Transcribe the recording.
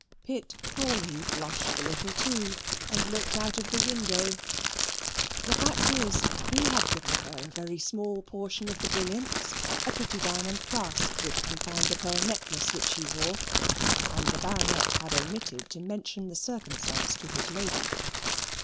Pitt Crawley blushed a little too, and looked out of window. The fact is, he had given her a very small portion of the brilliants; a pretty diamond clasp, which confined a pearl necklace which she wore and the Baronet had omitted to mention the circumstance to his lady.